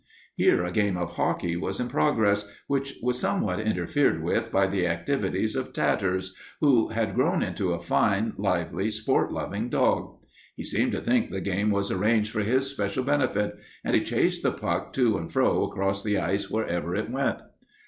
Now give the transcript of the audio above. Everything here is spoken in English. Here a game of hockey was in progress, which was somewhat interfered with by the activities of Tatters, who had grown into a fine, lively, sport loving dog. He seemed to think the game was arranged for his special benefit, and he chased the puck to and fro across the ice wherever it went.